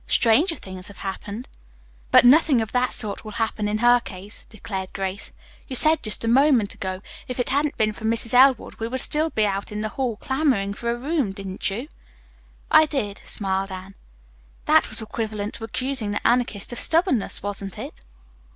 Stranger things have happened." "But nothing of that sort will happen in her case," declared Grace. "You said just a moment ago if it hadn't been for Mrs. Elwood we would still be out in the hall clamoring for a room, didn't you!" "I did," smiled Anne. "That was equivalent to accusing the Anarchist of stubbornness, wasn't it?"